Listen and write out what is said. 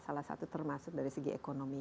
salah satu termasuk dari segi ekonomi